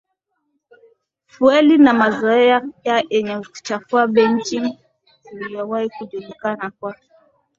fueli na mazoea yenye kuchafua Beijing iliyowahi kujulikana kwa